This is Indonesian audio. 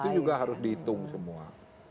itu juga harus dihitung semua